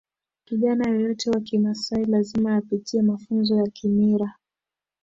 kijana yeyote wa kimaasai lazima apitie mafunzo ya kimira